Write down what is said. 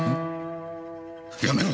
やめろ！